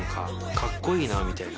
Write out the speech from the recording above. カッコいいなみたいな。